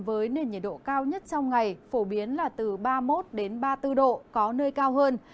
với nền nhiệt độ cao nhất trong ngày phổ biến là từ ba mươi một ba mươi bốn độ có nơi cao hơn